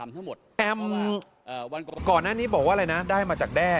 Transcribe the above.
แอมก่อนหน้านี้บอกว่าอะไรนะได้มาจากแด้